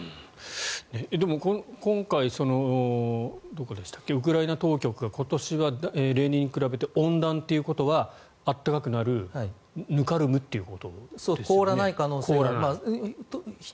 でも、今回ウクライナ当局が今年は例年に比べて温暖ということは暖かくなるぬかるむということですね。